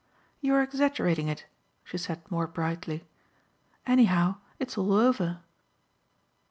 "You are exaggerating it," she said more brightly. "Anyhow it's all over."